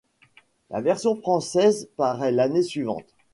La version française paraît l'année suivante.